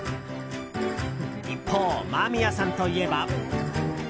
一方、間宮さんといえば。